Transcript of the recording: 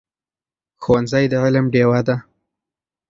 ښوونځی د علم ډېوه ده.